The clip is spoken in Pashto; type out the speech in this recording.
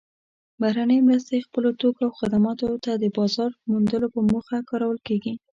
بهرنۍ مرستې خپلو توکو او خدماتو ته د بازار موندلو په موخه کارول کیږي.